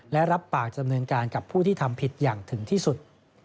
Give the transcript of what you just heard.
และรับปากจำเนินการกับผู้ที่ทำผิดอย่างถึงที่สุด